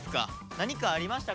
何ありました？